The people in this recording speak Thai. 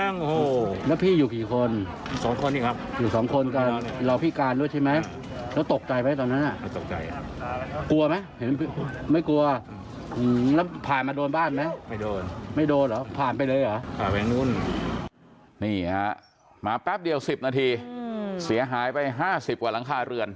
นี่ฮะมาแป๊บเดียว๑๐นาทีเสียหายไป๕๐กว่าหลังคาเรือน